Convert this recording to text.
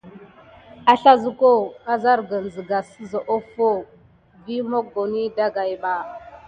Aslazuko, azargən zegas seza offo wazlə vi moggoni dagayɗa.